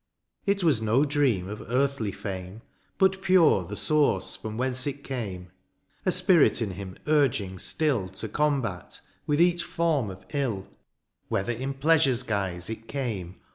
It was no dream of earthly fame. But pure the source from whence it came : A spirit in him urging still To combat with each form of ill. Whether in pleasure's guise it came.